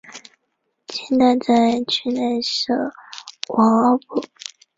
清代在区内设王赘步。